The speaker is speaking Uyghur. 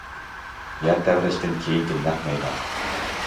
يەر تەۋرەشتىن كېيىنكى نەق مەيدان.